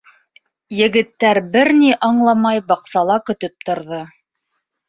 Егеттәр, бер ни аңламай, баҡсала көтөп торҙо.